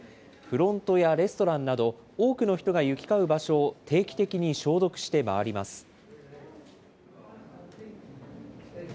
フロントやレストランなど、多くの人が行き交う場所を定期的に消毒して回ります。